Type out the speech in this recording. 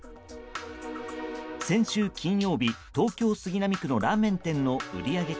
先週金曜日、東京・杉並区のラーメン店の売上金